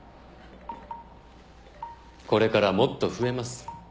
これからもっと増えます。